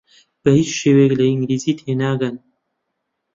بە هیچ شێوەیەک لە ئینگلیزی تێناگەن.